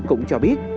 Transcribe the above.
cũng cho biết